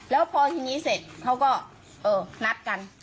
แล้วพอทีนี้เสร็จเขาก็เออนัดกัน